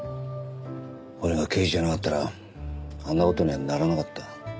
俺が刑事じゃなかったらあんな事にはならなかった。